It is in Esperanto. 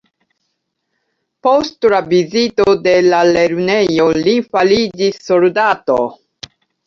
Post la vizito de la lernejo li fariĝis soldato.